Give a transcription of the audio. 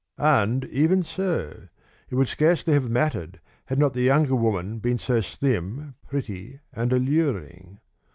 And even so, it would scarcely have mattered, had not the younger woman been so slim, pretty, and alluring.